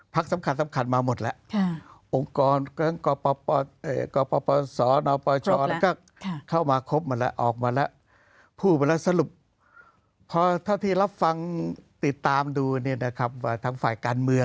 ภักดิ์สำคัญมาหมดแล้ว